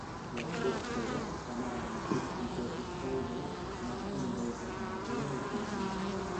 Les dues torres, que amaguen antics dipòsits d'aigua, marquen l'eix de simetria del conjunt.